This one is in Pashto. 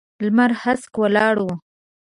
لمر هسک ولاړ و.